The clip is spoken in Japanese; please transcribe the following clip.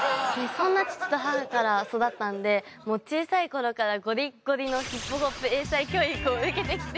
そんな父と母から育ったので小さいころからゴリゴリのＨＩＰＨＯＰ英才教育を受けてきて。